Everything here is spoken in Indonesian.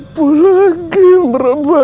apa lagi yang berapa